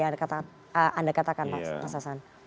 yang anda katakan pak mas hasan